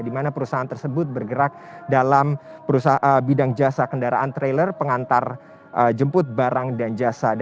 di mana perusahaan tersebut bergerak dalam bidang jasa kendaraan trailer pengantar jemput barang dan jasa